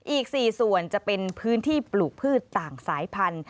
อีก๔ส่วนจะเป็นพื้นที่ปลูกพืชต่างสายพันธุ